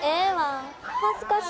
恥ずかしいわ。